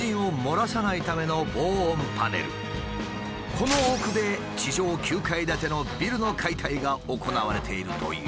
この奥で地上９階建てのビルの解体が行われているという。